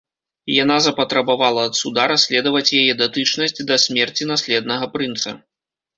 Яна запатрабавала ад суда расследаваць яе датычнасць да смерці наследнага прынца.